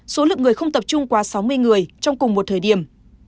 số lượng người không tập trung quá sáu mươi người trong cùng một thời điểm